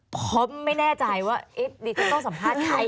เพราะไม่แน่ใจว่าดิฉันต้องสัมภาษณ์ใคร